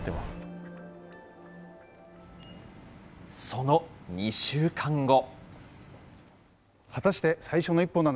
その２週間後。